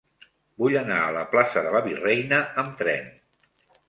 Vull anar a la plaça de la Virreina amb tren.